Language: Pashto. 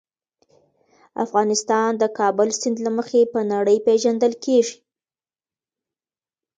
افغانستان د کابل سیند له مخې په نړۍ پېژندل کېږي.